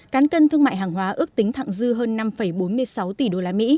cán cân thương mại hàng hóa ước tính thẳng dư hơn năm bốn mươi sáu tỷ usd